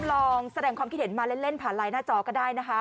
ลองแสดงความคิดเห็นมาเล่นผ่านไลน์หน้าจอก็ได้นะคะ